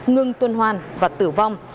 ngưng tuần hoàn và tử vong